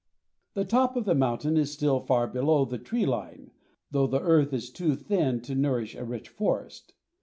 The top of the mountain is still far below the tree line, though the earth is too thin to nourish a rich forest.